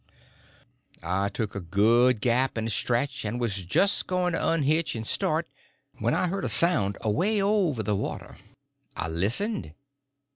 I took a good gap and a stretch, and was just going to unhitch and start when I heard a sound away over the water. I listened.